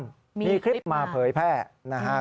มีคลิปมาเผยแพร่นะครับ